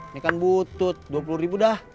ini kan butut rp dua puluh dah